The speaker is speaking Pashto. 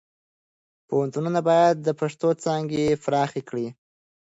پوهنتونونه باید د پښتو څانګې پراخې کړي.